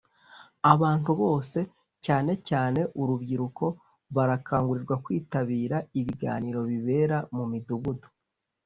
Abantu bose cyane cyane urubyiruko barakangurirwa kwitabira ibiganiro bibera mu Midugudu